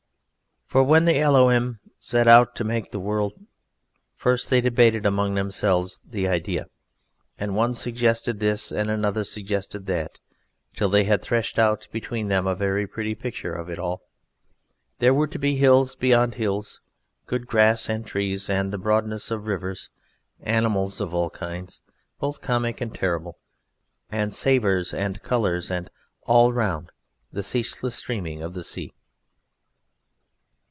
For when the Elohim set out to make the world, first they debated among themselves the Idea, and one suggested this and another suggested that, till they had threshed out between them a very pretty picture of it all. There were to be hills beyond hills, good grass and trees, and the broadness of rivers, animals of all kinds, both comic and terrible, and savours and colours, and all around the ceaseless streaming of the sea.